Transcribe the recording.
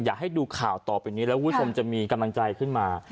อยากให้ดูข่าวต่อไปนี้แล้วคุณผู้ชมจะมีกำลังใจขึ้นมา